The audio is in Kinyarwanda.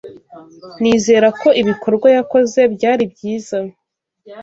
Nizera ko ibikorwa yakoze byari byiza.